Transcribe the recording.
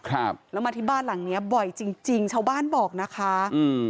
แล้วมาที่บ้านหลังนี้บ่อยจริงชาวบ้านบอกนะคะ